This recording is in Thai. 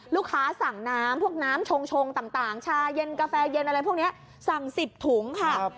สั่งน้ำพวกน้ำชงต่างชาเย็นกาแฟเย็นอะไรพวกนี้สั่ง๑๐ถุงค่ะ